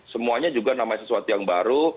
semuanya juga namanya sesuatu yang baru